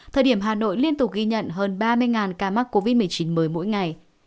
thời điểm hà nội liên tục ghi nhận hơn ba mươi ca mắc covid một mươi chín mới mỗi ngày